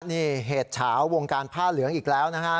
นี่เหตุเฉาวงการผ้าเหลืองอีกแล้วนะฮะ